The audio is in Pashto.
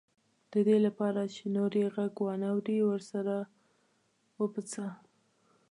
د دې لپاره چې نور یې غږ وانه وري ورسره وپسه.